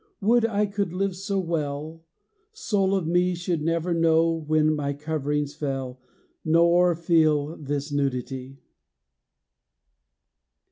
Would I could live so well, Soul of me should never know When my coverings fell, Nor feel this nudity!